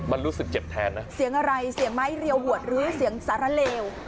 มันรู้สึกเจ็บแทนนะเสียงอะไรเสียงไม้เรียวหวดหรือเสียงสารเลว